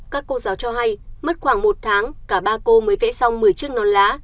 các cô giáo cho hay mất khoảng một tháng cả ba cô mới vẽ xong một mươi chiếc non lá